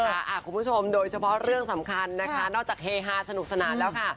คุณผู้ชมโดยเฉพาะเรื่องสำคัญนะคะนอกจากเฮฮาสนุกสนานแล้วค่ะ